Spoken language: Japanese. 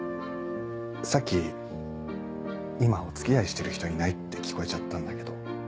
さっき今お付き合いしてる人いないって聞こえちゃったんだけど。